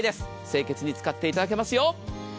清潔に使っていただけますよ。